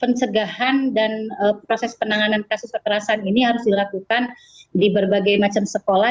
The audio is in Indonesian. pencegahan dan proses penanganan kasus kekerasan ini harus dilakukan di berbagai macam sekolah